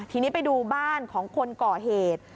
ทีนี้ไปดูบ้านของคนก่อเหตุ